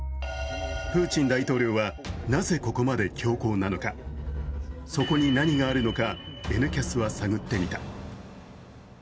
プーチン大統領はなぜここまで強硬なのか、そこに何があるのか「Ｎキャス」は探ってみた。